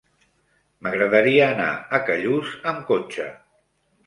M'agradaria anar a Callús amb cotxe.